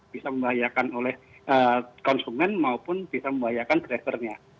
bisa membahayakan oleh konsumen maupun bisa membahayakan drivernya